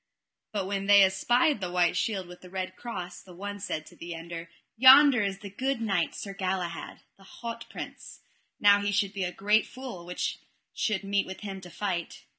But when they espied the white shield with the red cross the one said to the other: Yonder is the good knight, Sir Galahad, the haut prince: now he should be a great fool which should meet with him to fight.